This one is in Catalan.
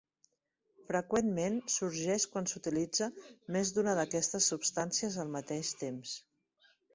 Freqüentment sorgeix quan s'utilitza més d'una d'aquestes substàncies al mateix temps.